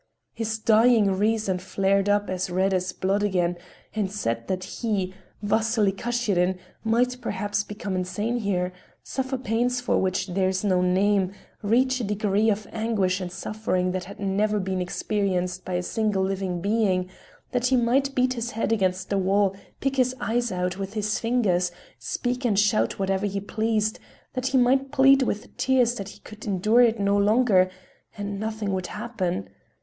His dying reason flared up as red as blood again and said that he, Vasily Kashirin, might perhaps become insane here, suffer pains for which there is no name, reach a degree of anguish and suffering that had never been experienced by a single living being; that he might beat his head against the wall, pick his eyes out with his fingers, speak and shout whatever he pleased, that he might plead with tears that he could endure it no longer,—and nothing would happen.